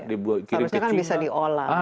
seharusnya kan bisa diolah